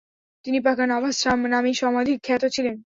তিনি পাকা নাভাস নামেই সমধিক খ্যাত ছিলেন।